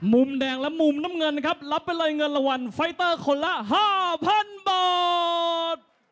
มุมแดงและมุมน้ำเงินครับรับไปเลยเงินรางวัลไฟเตอร์คนละ๕๐๐๐บาท